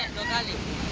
iya dua kali